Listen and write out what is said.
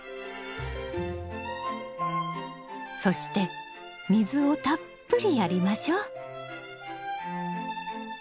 そして水をたっぷりやりましょう。